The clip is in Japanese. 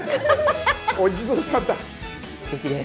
お地蔵さんだ。